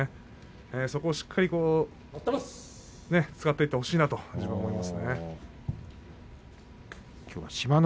そこをしっかりと使っていってほしいなと思います。